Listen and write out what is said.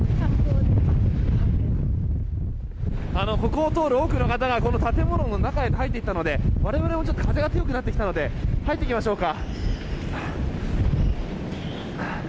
ここを通る多くの方が建物の中へ入っていったので我々も風が強くなったので入りましょうか。